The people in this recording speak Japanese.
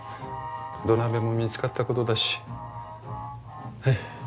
土鍋も見つかったことだし。